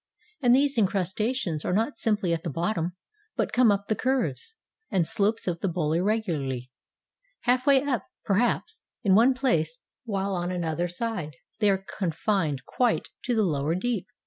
And these incrustations are not simply at the bottom, but come up the curves and slopes of the bowl irregularly, — halfway up, perhaps, in one place, while on another side they are confined quite to the lower deep.